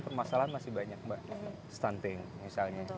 permasalahan masih banyak mbak stunting misalnya